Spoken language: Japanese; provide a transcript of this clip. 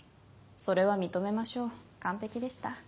それは認めましょう完璧でした。